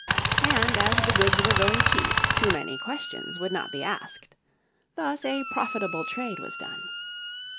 And as the goods were going cheap, too many questions would not be asked. Thus a profitable trade was done.